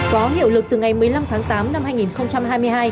có hiệu lực từ ngày một mươi năm tháng tám năm hai nghìn hai mươi hai